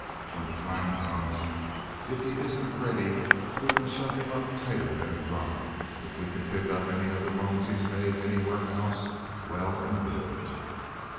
When the time comes, if he isn't ready, we can shut him up tighter than a drum. If we can pick up any other loans he's made anywhere else, well and good."